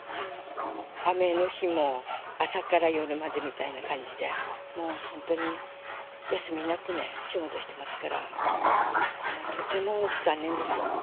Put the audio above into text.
雨の日も、朝から夜までみたいな感じで、もう本当に休みなく仕事してますから、もうとても残念です。